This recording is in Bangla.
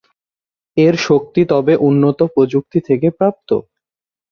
এর শক্তি তবে উন্নত প্রযুক্তি থেকে প্রাপ্ত।